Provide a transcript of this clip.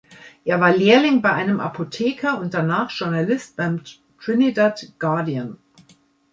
Er war Lehrling bei einem Apotheker und danach Journalist beim Trinidad "Guardian".